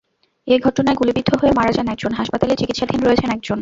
এ ঘটনায় গুলিবিদ্ধ হয়ে মারা যান একজন, হাসপাতালে চিকিৎসাধীন রয়েছেন একজন।